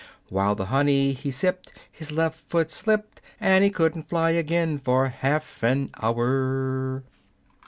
While the honey he sipped His left foot slipped, And he couldn't fly again for half an hour!"